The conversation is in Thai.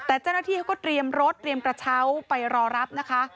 แต่เจ้าหน้าที่เขาก็เตรียมรถเตรียมกระเช้าไปรอรับนะคะ